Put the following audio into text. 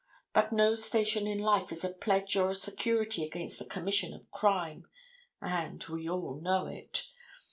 But no station in life is a pledge or a security against the commission of crime, and we all know it.